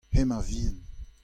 Hemañ vihan.